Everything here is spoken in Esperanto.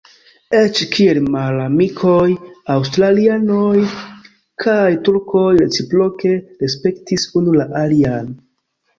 Eĉ kiel malamikoj aŭstralianoj kaj turkoj reciproke respektis unu la alian.